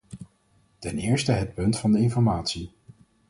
Ten eerste het punt van de informatie.